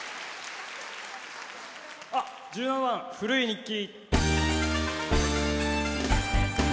１７番「古い日記」。